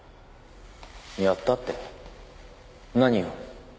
やったって何を？